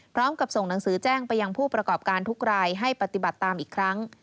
พร้อมกับส่งหนังสือแจ้งไปยังผู้ประกอบการทุกรายให้ปฏิบัติตามอีกครั้ง